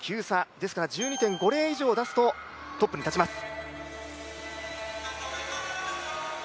ですから１２．５０以上出すとトップに立ちます。